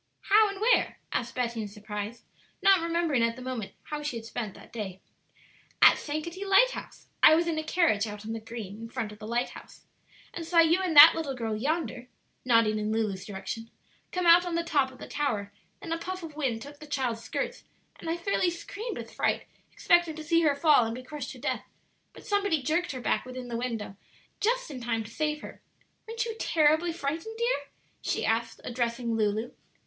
"How and where?" asked Betty in surprise, not remembering at the moment how she had spent that day. "At Sankaty Lighthouse; I was in a carriage out on the green in front of the lighthouse, and saw you and that little girl yonder (nodding in Lulu's direction) come out on the top of the tower; then a puff of wind took the child's skirts, and I fairly screamed with fright, expecting to see her fall and be crushed to death; but somebody jerked her back within the window just in time to save her. Weren't you terribly frightened, dear?" she asked, addressing Lulu.